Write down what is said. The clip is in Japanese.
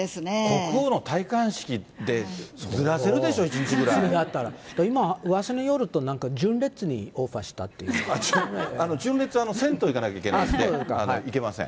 国王の戴冠式って、ずらせるでしょ、今、うわさによると、なんか、純烈は銭湯行かなきゃいけないんで、行けません。